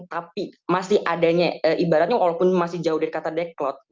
tapi masih adanya ibaratnya walaupun masih jauh dari kata deklot